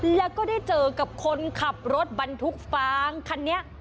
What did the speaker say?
แล้วก็ได้เจอกับคนขับรถบรรทุกฟางคันนี้